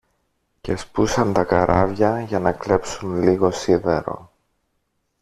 και σπούσαν τα καράβια για να κλέψουν λίγο σίδερο